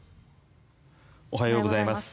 おはようございます。